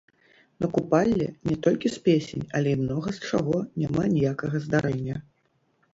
На купалле не толькі з песень, але і многа з чаго няма ніякага здарэння.